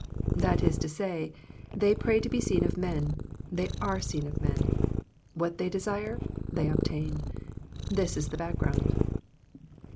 That is to say, they pray to be seen of men, they are seen of men. What they desire, they obtain. This is the background.